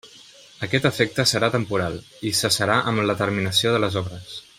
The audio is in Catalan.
Aquest efecte serà temporal, i cessarà amb la terminació de les obres.